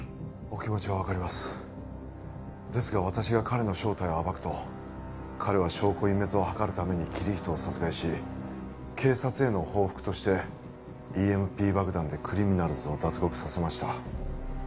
お気持ちは分かりますですが私が彼の正体を暴くと彼は証拠隠滅をはかるためにキリヒトを殺害し警察への報復としてＥＭＰ爆弾でクリミナルズを脱獄させました